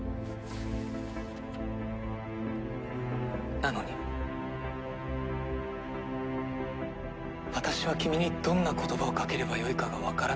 「なのに私は君にどんな言葉をかければよいかがわからない」